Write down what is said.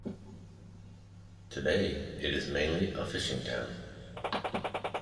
Today, it is mainly a fishing town.